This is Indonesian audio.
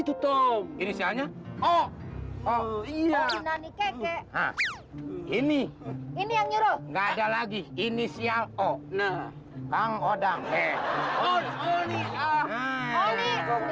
itu toh ini siangnya oh oh iya ini ini ini enggak ada lagi inisial oh nah bangodang hehehe